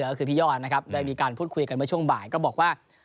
ก็คือพี่ยอดนะครับได้มีการพูดคุยกันเมื่อช่วงบ่ายก็บอกว่า